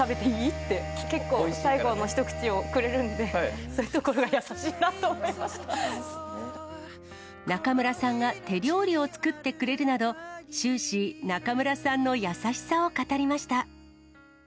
って、結構、最後の一口をくれるんで、そういうとこ中村さんが手料理を作ってくれるなど、終始、中村さんの優しさを語りました。